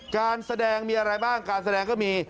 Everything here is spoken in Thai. การแสดงมีอะไรบ้างการแสดงก็มี